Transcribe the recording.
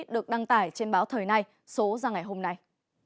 được đăng tải trên báo thời nay số ra ngày hôm nay